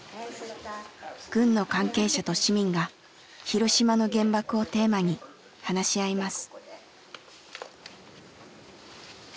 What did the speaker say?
軍の関係者と市民が広島の原爆をテーマに話し合います。